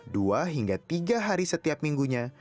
dua hingga tiga hari setiap minggunya